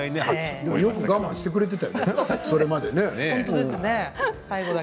でも、よく我慢してくれていたよね、それまでね。